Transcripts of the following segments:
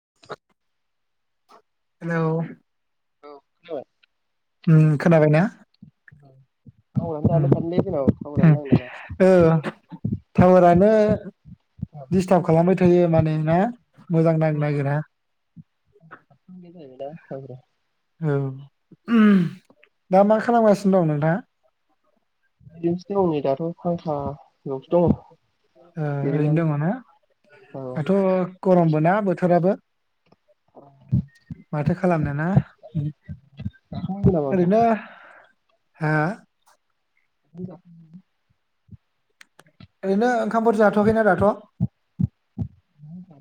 [unintelligible] Hello औ खोनाबाय उम खोनाबाय ना [unintelligible] दानो ओम थादोंलै जोंनाव टावारानो ओम औ टावारानो नांनो दिडस्टार्ब खालामबाय थायो माने ना मोजां नांनो नाङा नागिरा बे [unintelligible] औ दा मा खालामगासिनो दं नोंथाङा? [unintelligible] नै दाथ' आं थाङा। ओ ओरैनो दङ ना औ दाथ'। गरमबो ना बोथोराबो माथो खालामनो ना जाखांबाय नामा ओंखाम ओरैनो हा [inaudible] ओरैनो ओंखामफोर जाथ'खैना दाथ'?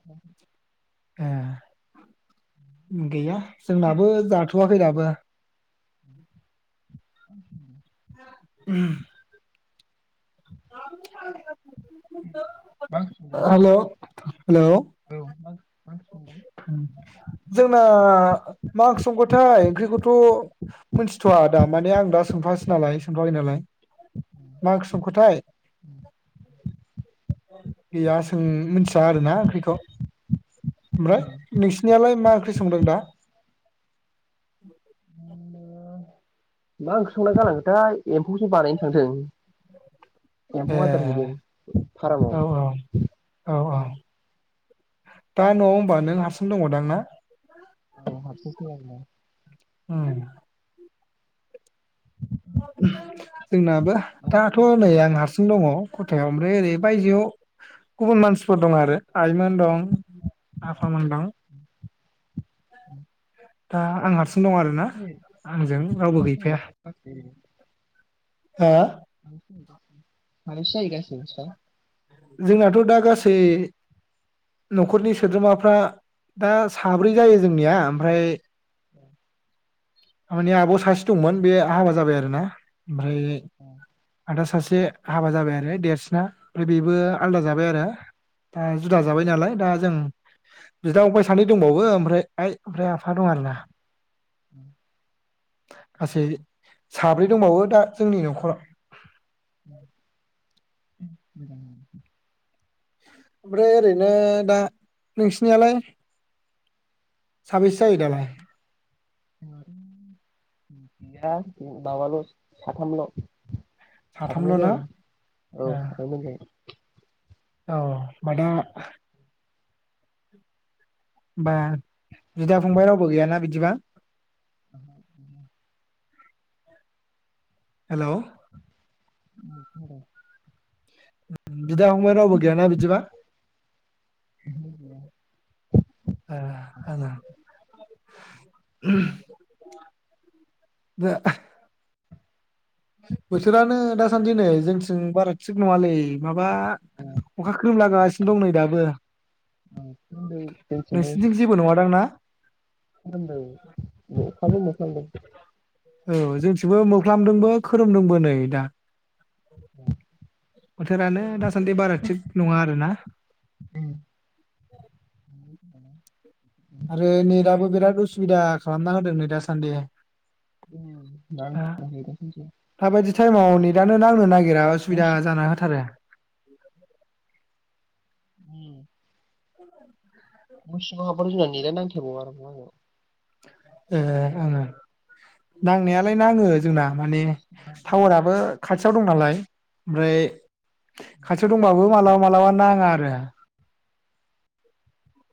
[inaudible] ए। गैया। जोंनाबो जाथ'वा खै दाबो। [inaudible] [inaudible] उम [unintelligible] हेलौ हेलौ [unintelligible] औ ओंख्रि संदों? जोंना मा ओंख्रिसंखोथाय ओंख्रिखौथ' मिथिथ'वा दा माने आं दा सोंफासै नालाय सोंफाखै नालाय। मा ओंख्रि संखोथाय गैया सों मिथिया आरोना ओंख्रिखौ ओमफ्राय नोंसिनियालाय मा संदों दा? मा ओंख्रि संना गालांगोथाय एम्फौसो बानायनो थांथों। ए एम्फौ आदार हैदों फार्माव औ औ औ औ दा न'आव होमबा नों हारसिं दङदां ना? औ [unintelligible] ओम जोंनाबो दाथ' सानैसो जायो नै आं नोंस्रा? हारसिं दङ खथायाव ओमफ्राय ओरै बायजोआव गुबुन मानसिफोर दं आरो आइमोन दं आफामोन दं दा आंहा दं आरो ना साबैसे आंजों जायो? रावबो साबैसे जायो गैफाया [inaudible] हा [unintelligible] जोंनाथ' दा गासै नखरनि सोद्रोमाफ्रा दा साब्रै जायो जोंनिया आमफ्राय थारमाने आब' सासे दंमोन बे हाबा जाबाय आरो ना ओमफ्राय आदा सासे से हाबा जाबाय आरो देरसिना बेबो आलदा मोजां जाबाय आरो दा जुदा जाबाय नालाय दा जों बिदा फंबाइ सानै दंबावो ओमफ्राय आइ आमफ्राय आफा दं आरोना उम गासै साब्रै दंबावो दा जोंनि नखराव [unintelligible] ओमफ्राय ओरैनो दा नोंसिनियालाय साबेसे जायो दालाय दा माबाल' साथामल' साथामल' साथामल' ना जायो औ ए आइमोनजों औ बादा होमबा बिदा फंबाय रावबो गैयाना बिदिबा [unintelligible] हेलौ [unintelligible] [unintelligible] बिदा फंबाय रावबो गैया ना बिदिबा गैया [inaudible] आ आ [unintelligible] बोथोरानो दासान्दि नै जोंथिं बारा थिग नङालै माब बा अखा खोरोमलागासिनो दं नै दाबो फोरोंदों नोंसोरथिं जेबो नङादां ना होनदों अखाबो मोफ्लांदों औ जोंथिबो मोफ्लामदोंबो खोरोमदोंबो नै दा बोथोरानो दासान्दि बारा थिग नङा आरोना [inaudible] [unintelligible] आरो नेटआबो बिराद उसुबिदा खालामना होदों नै दासान्दि [unintelligible] थाइमाव नेदानो नांनो नागि नागिरा न' असुबिदा सिं जाना होथारो [unintelligible] न' सिङाव हाबबाथ' जोंना नेदानो नांथारबाव आरो ना ए आङो नांनायालाय नाङो जोंना माने आंनाव थावाराबो खाथि [unintelligible] दं नालाय ओमफ्राय खाथियाव दंबाबो मालाबा मालाबा नाङा आरो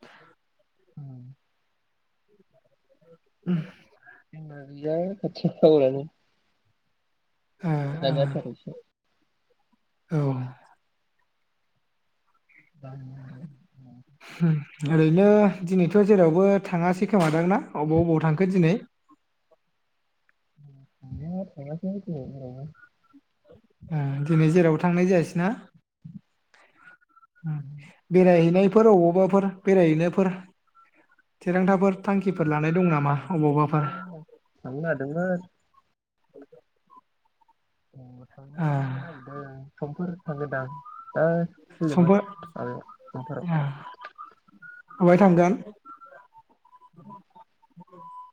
[unintelligible] उम [unintelligible] [unintelligible] ओ [unintelligible] औ [unintelligible] ओरैनो दिनैथ' जेरावबो थाङासै खोमादां ना अबाव अबबाव थांखो दिनै [unintelligible] ओ दिनै जेरावबो थांनाय जायासै न बेरायहैनाय फोर अबावबाफोर बेरायहैनायफोर थिरांथाफोर थांखिफोर लानाय दं नामा अबावबाफोर थानों नागिरदोंमोन [unintelligible] ओ समफोर थांगोनदां समफोर [unintelligible] माबाय थांगोन? [inaudible]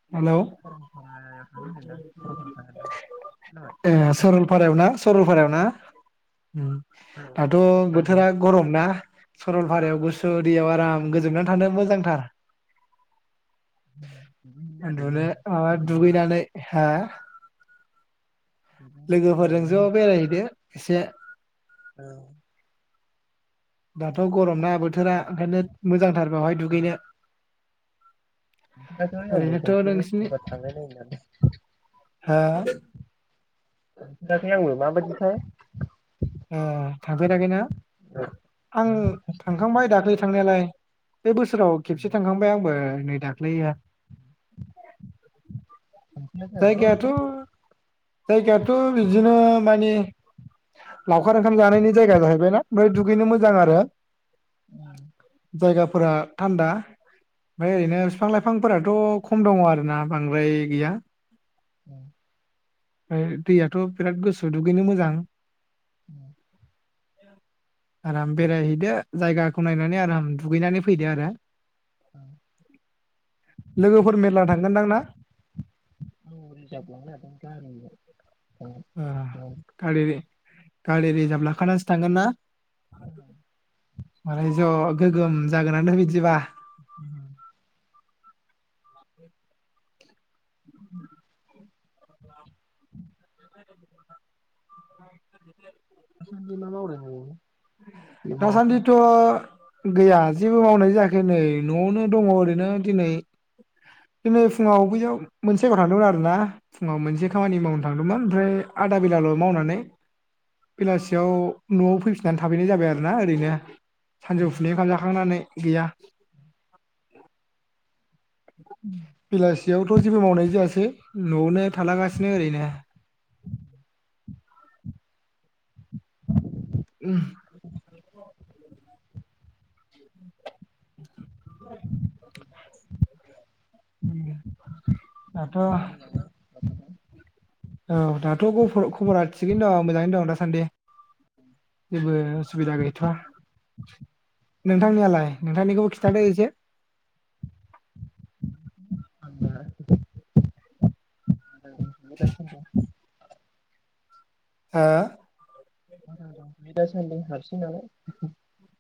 [unintelligible] सरलपारायाव थांगोनदां खोनाबाय ओ सरलपारायाव ना सरल फारायाव ना? ओम औ दाथ' औ बोथोरा गरम ना सरलपारायाव गुस दैयाव आराम गोजोमनानै थानो मोजांथार दुगैहैनो उन्दुनो नागिरदोंमोन माबा दुगैनानै हा दुगैनो थांनो लोगोफोरजों ज' नागिरदोंमोन बेरायहैदो एसे औ दाथ' गरम ना बोथोरा ओंखायनो लोगोफोरजों मोजांथार बेवहाय औ दुगैनो ओरैनोथ' नोंसिनि हो [unintelligible] ओ थांफेराखैना औ आं ओहो फार्स्ट टाइम थांनो थांखांबाय दाखलि थांनायालाय बे बोसोराव नागिरदों खेबसे थांखांबाय आंबो नै दाखख्लै ओ थांफेराखै आं जायगायाथ' माबायदिथाय जायगायाथ' बिदिनो माने [inaudible] लावखार ओंखाम जानायनि जायगा जाहैबायना ओमफ्राय दुगैनो मोजां आरो उम जायगाफोर फोरा थानदा ओमफ्राय ओरैनो बिफां लाइफांफोराथ' खम दङ आरोना बांद्राय गैया। ओं ओमफ्राय दैयाथ' बिराद गोसो दुगैनो मोजां। उम उम [inaudible] आराम बेरायहैदो जायगाखौ नायनानै आराम दुगैनानै फैदो आरो। आंबो [unintelligible] लोगोफोर मेरला थांगोनदां ना [unintelligible] ओ खालिलि गारि रिजार्भ लाखानानैसो थांगोन ना माने ज' गोगोम जागोनानो बिदिबा उम उम [inaudible] [unintelligible] दासानदि मा मावदों नोङो? दासानदि थ' गैया जेबो मावनाय जायाखै नै न'आवनो दङ ओरैनो दिनै दिनै फुङाव बैयाव मोनसे जायगायाव थांदोंमोन आरोना। फुङाव मोनसे खामानि मावनो थाङो मोन ओमफ्राय आदा बेलाल' मावनानै बेलासियाव न'आव फैफिन ना थाफैनाय जाबाय आरोना ओरैनो। उम सानजौफुनि ओंखाम जाखांनानै गैया उम बेयावथ' जेबो मावनाय जायासै। न'आवनो थाला गासिनो ओरैनो उम उम दा खबरफ्रा मोजां थ' [unintelligible] औ दाथ' खब-खबरा थिगैनो दं मोजाङैनो दं दासान्दि। बेबो सुबिदा गैथ'आ नोंथांनियालाय नोंथांनिखौबो खिन्थादो एसे [inaudible] [unintelligible] हो बे दा सान्दै हारसिं नालाय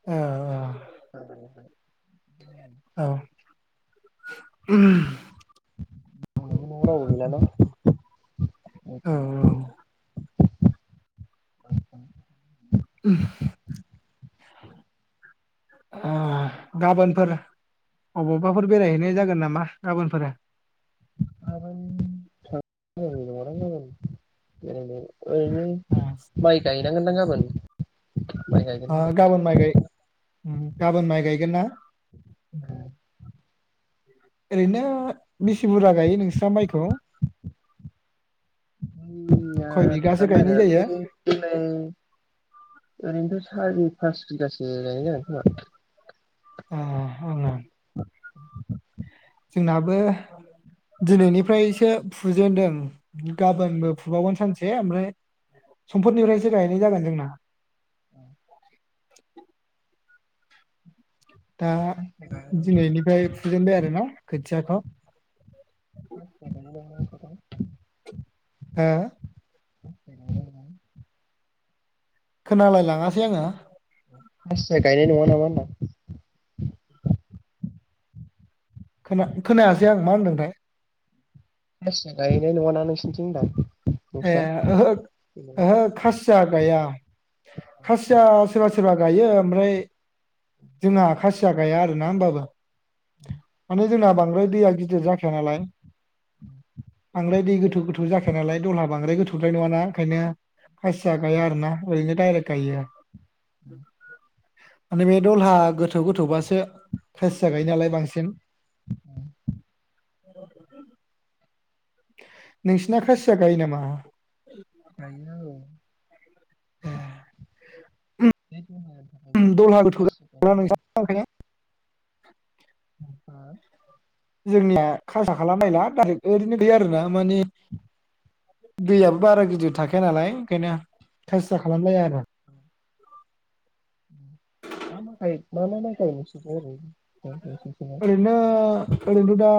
ओ अ ह [unintelligible] औ म नआवबो गैला ना बेथ औ मा ब [unintelligible] गाबोनफोर अबावबाफोर बेरायहैनाय जागोन नामा गाबोनफोर [unintelligible] माइ गायनांगोनदां गाबोन माइ गायगोन होनदां गाबोन माइ गाबोन माइ गायगोन ना ओरैनो मिसि बुरजा गायो नोंस्रा माइखौ खय बिगासो थल गायनाय जायो ओरैनोथ' सारि फास बिगास [unintelligible] आ [inaudible] जोंनाबो दिनैनिफ्रायसो फुजेनदों गाबोनबो फुबावगोन सानसे ओमफ्राय सम्फोरनिफ्रायसो गायनाय जागोन जोंना औ [inaudible] दा दिनैनिफ्राय फुजेनबाय आरो ना खोथियाखौ [unintelligible] हो [inaudible] खोनालाय लाङासै आङो फसनिया गायनाय नङा नामा होनदां खोन खोनायासै आं मा होनदोंथाय मासिया गायैनाय नङाना नोंसोरनिथिं होनदां ए नोंस्रा ओहो जेनेबा? ओहो खासिया गाया खासिया सोरबा सोरबा गायो ओमफ्राय जोंहा खासिया गाया आरो ना हबाबो माने जोंना बांद्राय दैया गिदिर जाखाया नालाय बांद्राय दै गोथौ गोथौ जाखाया नालाय दलहा बांद्राय गोथौद्राय नङा ओंखायनो खासिया गाया आरो ना ओरैनो दायरेक गाया [inaudible] माने बे दलहा गोथौ गोथौबासो खासिया गायोनालाय बांसिन औ [unintelligible] औ [unintelligible] नोंसिना खासिया गायो नामा? गोयनो औ। अ [unintelligible] बे [unintelligible] थाखायनो दलहा गोथौ खासिया गायनाय जायो। नोंख [unintelligible] ह [unintelligible] [unintelligible] जोंनिया खासा खालामलायला डाइरेक्ट ओरैनो गैया आरोना माने दैयाबो बारा गिदिर थाखाया नालाय ओंखायनो खासा खालामलाया आरो। मा माखाय मा मा माइखाय नस ओरै [unintelligible] ओरैनो ओरैनो दा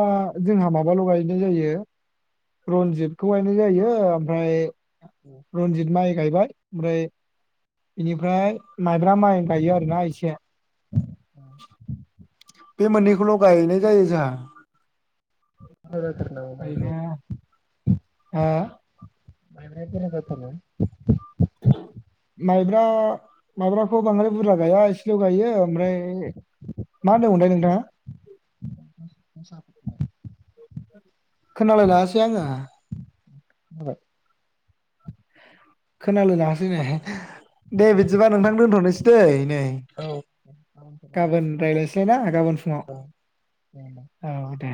जोंहा माबाल' गायनाय जायो रनजितखौ गायनाय जायो ओमफ्राय रनजित माइ गायबाय ओमफ्राय बेनिफ्राय माइब्रा माइ गायो आरोना एसे बे मोननैखौल' गायनाय जायो जाहा। बुरजा जाथारो नामा माइब्राया नो ह [unintelligible] मायदि गाथ न [unintelligible] माइब्रा माइब्राखौ बांद्राय बुरजा गाया इसेल' गायो। ओमफ्राय मा होनदोंमोनलाय नोंथाङा? खोनाबाय? खोनालाय लासै आङो। जाबाय [unintelligible] खोनालाय लाङासै नै। दे बिदिबा नोंथां दोनथ'नोसै। बै नै औ दे गाबोन होमबा। रायस्लाय ना गाबोन फुङाव औ दे।